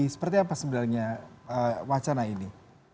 seperti apa sebenarnya wacana ini